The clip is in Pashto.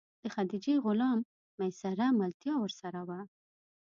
د خدیجې غلام میسره ملتیا ورسره وه.